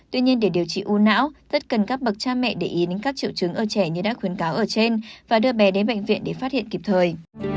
tuy nhiên để điều trị u não rất cần các bậc cha mẹ để ý đến các triệu chứng ở trẻ như đã khuyến cáo ở trên và đưa bé đến bệnh viện để phát hiện kịp thời